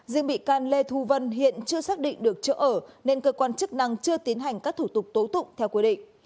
riêng bị can lê thu vân hiện chưa xác định được chỗ ở nên cơ quan chức năng chưa tiến hành các thủ tục tố tụng theo quy định